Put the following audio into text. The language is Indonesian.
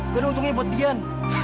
gak ada untungnya buat dian